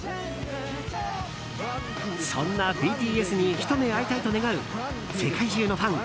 そんなＢＴＳにひと目会いたいと願う世界中のファン